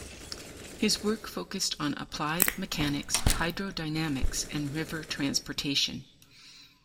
His work focused on applied mechanics, hydrodynamics and river transportation.